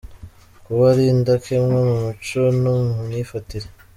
Kuba ari indakemwa mu mico no mu myifatire ;.